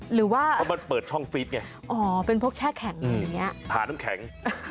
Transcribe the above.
หรือว่าอ๋อเป็นพวกแช่แข็งอย่างนี้หาน้ำแข็ง